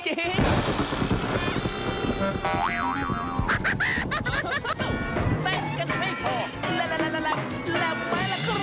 เต้นกันให้พอแหละแหละแหละไหมล่ะครับ